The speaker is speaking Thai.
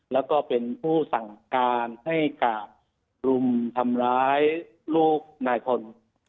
แล้วก็เป็นผู้สั่งการให้กาดรุมทำร้ายลูกนายพล